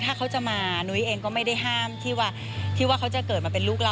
ถ้าเขาจะมานุ้ยเองก็ไม่ได้ห้ามที่ว่าที่ว่าเขาจะเกิดมาเป็นลูกเรา